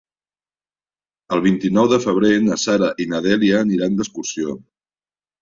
El vint-i-nou de febrer na Sara i na Dèlia aniran d'excursió.